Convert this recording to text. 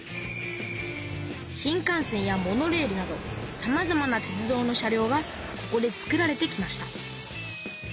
新幹線やモノレールなどさまざまな鉄道の車両がここでつくられてきました。